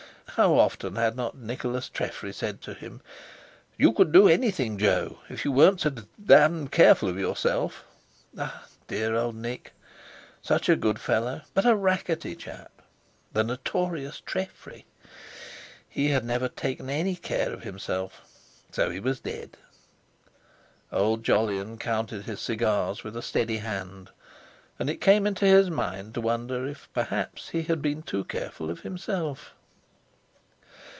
How often had not Nicholas Treffry said to him: "You could do anything, Jo, if you weren't so d damned careful of yourself!" Dear old Nick! Such a good fellow, but a racketty chap! The notorious Treffry! He had never taken any care of himself. So he was dead. Old Jolyon counted his cigars with a steady hand, and it came into his mind to wonder if perhaps he had been too careful of himself.